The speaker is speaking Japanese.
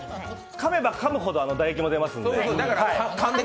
かめばかむほど唾液も出ますんで。